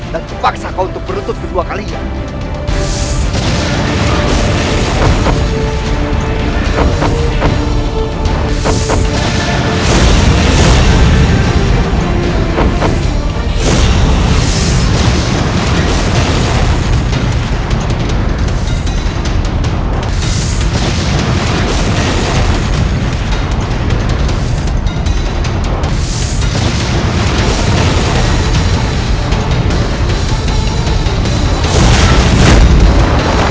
dan kubaksa kau untuk berutut kedua kalinya